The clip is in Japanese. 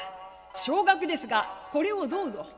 少額ですがこれをどうぞ」。